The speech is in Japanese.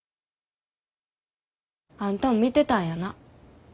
あんたも見てたんやな